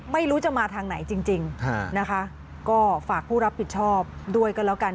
ไม่รู้จะมาทางไหนจริงนะคะก็ฝากผู้รับผิดชอบด้วยก็แล้วกัน